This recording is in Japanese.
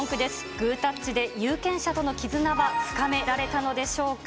グータッチで有権者との絆は深められたのでしょうか。